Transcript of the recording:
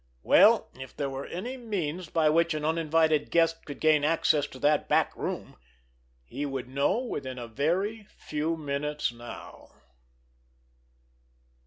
Well, if there were any means by which an uninvited guest could gain access to that back room, he would know within a very few minutes now!